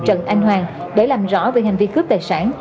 trần anh hoàng để làm rõ về hành vi cướp tài sản